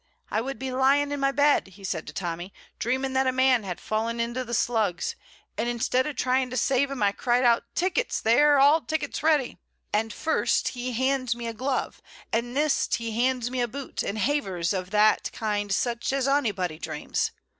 "I would be lying in my bed," he said to Tommy, "dreaming that a man had fallen into the Slugs, and instead o' trying to save him I cried out, 'Tickets there, all tickets ready,' and first he hands me a glove and neist he hands me a boot and havers o' that kind sich as onybody dreams.